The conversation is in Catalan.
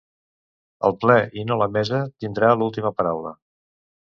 El ple, i no la mesa, tindrà l'última paraula.